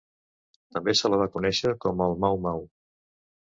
També se la va conèixer com el Mau-Mau.